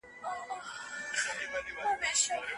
نور بيا حکومت ملامتوي او بېلابېلي خبرې کوي.